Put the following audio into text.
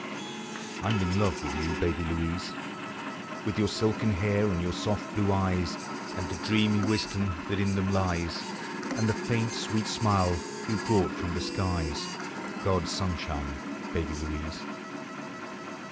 I 'm in love with you, Baby Louise! With vour silken hair, and vour soft blue eves, And the dreamy wisdom that in them lies. And the faint, sweet smile you brought from the skies, — God's sunshine, Baby Louise.